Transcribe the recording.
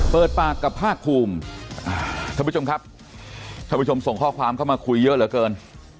เปิดปากกับภาคภูมิท่านผู้ชมครับท่านผู้ชมส่งข้อความเข้ามาคุยเยอะเหลือเกิน